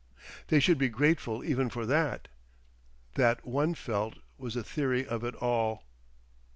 They should be grateful even for that; that, one felt, was the theory of it all.